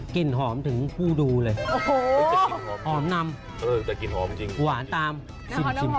กลิ่นหอมถึงผู้ดูเลยหอมนำหวานตามน้องหอมโอเคสดจากลูกเลยอ่ะ